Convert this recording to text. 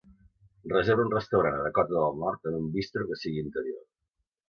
reserva un restaurant a Dakota del Nord en un bistro que sigui interior